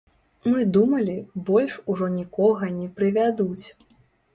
Мы думалі, больш ужо нікога не прывядуць.